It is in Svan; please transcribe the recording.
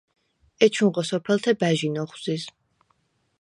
ეჩუნღო სოფელთე ბა̈ჟინ ოხვზიზ.